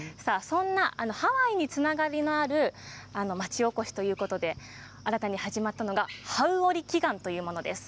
ハワイにつながりがある町おこしとして新たに始まったのがハウオリ祈願というものです。